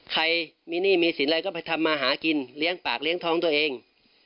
ใครมีหนี้มีสินอะไรก็ไปทำมาหากินเลี้ยงปากเลี้ยงท้องตัวเอง